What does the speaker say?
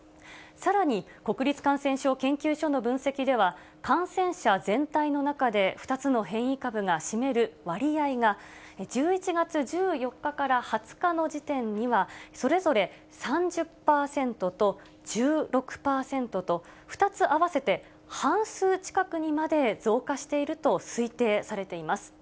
さらに国立感染症研究所の分析では、感染者全体の中で２つの変異株が占める割合が、１１月１４日から２０日の時点には、それぞれ３０％と１６％と、２つ合わせて半数近くにまで増加していると推定されています。